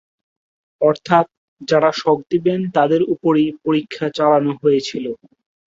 অর্থাৎ যারা শক দিবেন তাদের উপরই পরীক্ষা চালানো হয়েছিল।